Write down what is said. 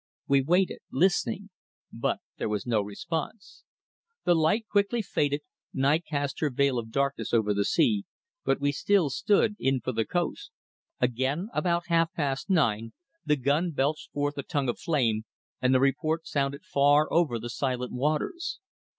We waited, listening, but there was no response. The light quickly faded, night cast her veil of darkness over the sea, but we still stood in for the coast. Again, about half past nine, the gun belched forth a tongue of flame, and the report sounded far over the silent waters.